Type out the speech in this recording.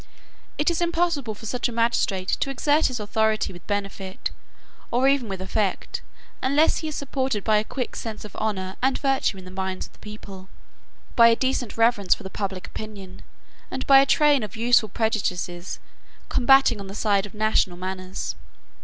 It is impossible for such a magistrate to exert his authority with benefit, or even with effect, unless he is supported by a quick sense of honor and virtue in the minds of the people, by a decent reverence for the public opinion, and by a train of useful prejudices combating on the side of national manners.